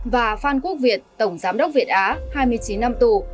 và phan quốc việt tổng giám đốc việt á hai mươi chín năm tù